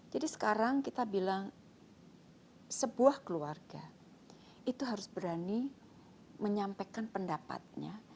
jadi sekarang kita bilang sebuah keluarga itu harus berani menyampaikan pendapatnya